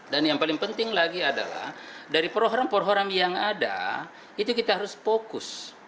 dan yang paling penting lagi adalah dari program program yang ada itu kita harus fokus